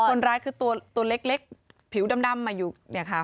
คนร้ายคือตัวเล็กผิวดำมาอยู่เนี่ยค่ะ